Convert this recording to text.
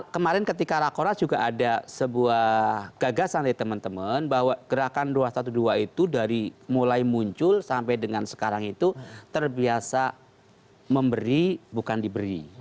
kemarin ketika rakonas juga ada sebuah gagasan dari teman teman bahwa gerakan dua ratus dua belas itu dari mulai muncul sampai dengan sekarang itu terbiasa memberi bukan diberi